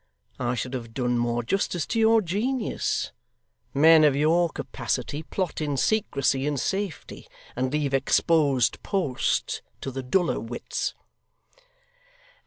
I should have done more justice to your genius. Men of your capacity plot in secrecy and safety, and leave exposed posts to the duller wits.